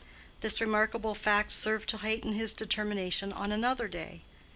This remarkable fact served to heighten his determination on another day.